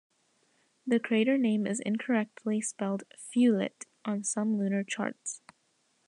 The crater name is incorrectly spelled "Feuillet" on some lunar charts.